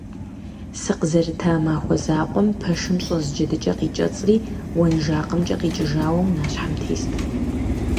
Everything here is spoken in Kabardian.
Сыкъызэрыта махуэ закъуэм пэшым щӀэз джэдыкӀэ къикӀэцӀри уэнжакъымкӀэ къикӀыжауэ унащхьэм тест.